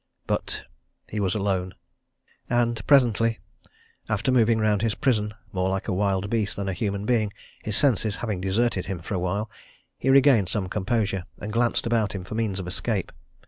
But he was alone. And presently, after moving around his prison more like a wild beast than a human being, his senses having deserted him for a while, he regained some composure, and glanced about him for means of escape.